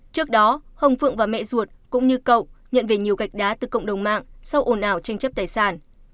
trước đó hồng phượng và mẹ ruột cũng như cậu nhận về nhiều gạch đá từ cộng đồng mạng sau ồn ào tranh chấp tài sản